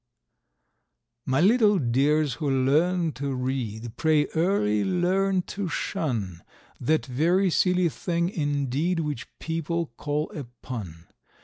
My little dears who learn to read, pray early learn to shun That very silly thing indeed, which people call a pun.